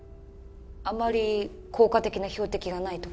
あまり効果的な標的がないとか？